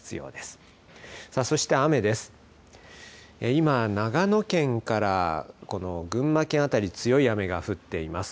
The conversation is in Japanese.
今、長野県からこの群馬県辺り、強い雨が降っています。